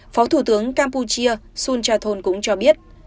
phó thủ tướng campuchia sun chathol cũng cho biết